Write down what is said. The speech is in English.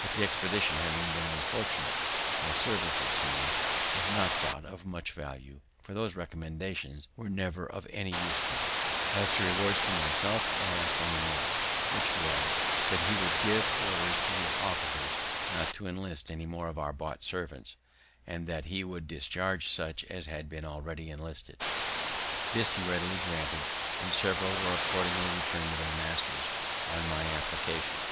But, the expedition having been unfortunate, my service, it seems, was not thought of much value, for those recommendations were never of any use to me. A famous Scotch philosopher and historian (1711 1776). As to rewards from himself, I ask'd only one, which was, that he would give orders to his officers not to enlist any more of our bought servants, and that he would discharge such as had been already enlisted. This he readily granted, and several were accordingly return'd to their masters, on my application.